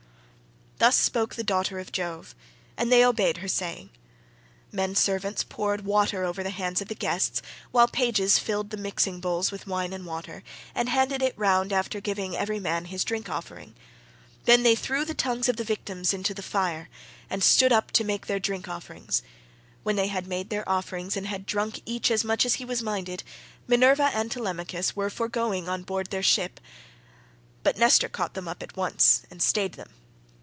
Thus spoke the daughter of Jove, and they obeyed her saying. Men servants poured water over the hands of the guests, while pages filled the mixing bowls with wine and water, and handed it round after giving every man his drink offering; then they threw the tongues of the victims into the fire, and stood up to make their drink offerings. When they had made their offerings and had drunk each as much as he was minded, Minerva and Telemachus were for going on board their ship, but Nestor caught them up at once and stayed them.